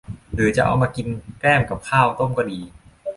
หรือเอามากินแกล้มกับข้าวต้มก็ดี